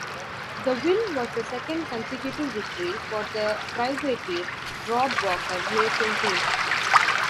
The win was the second consecutive victory for the privateer Rob Walker Racing Team.